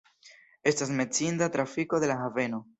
Estas menciinda trafiko de la haveno.